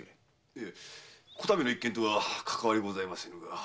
いえ此度の一件とはかかわりございませんが。